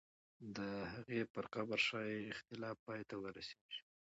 د هغې پر قبر ښایي اختلاف پای ته ورسېږي.